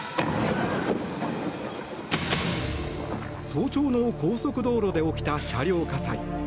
早朝の高速道路で起きた車両火災。